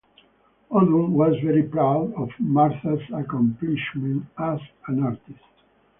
Odum was very proud of Martha's accomplishment as an artist.